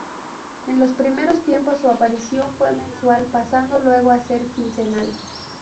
En los primeros tiempos su aparición fue mensual, pasando luego a ser quincenal.